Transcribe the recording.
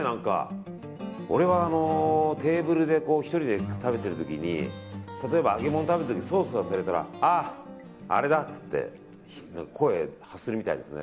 俺は、テーブルで１人で食べてる時に例えば、揚げ物食べてる時にソース忘れたらああ、あれだ！って声発するみたいな感じですね。